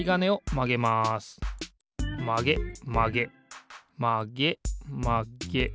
まげまげまげまげまげ。